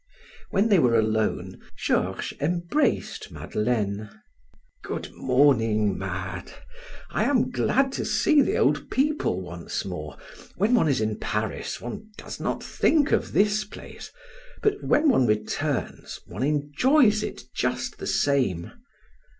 When they were alone, Georges embraced Madeleine. "Good morning, Made! I am glad to see the old people once more. When one is in Paris one does not think of this place, but when one returns, one enjoys it just the same."